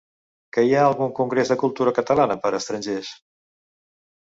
Que hi ha algun congrés de cultura catalana per a estrangers?